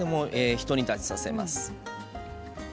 ひと煮立ちさせます。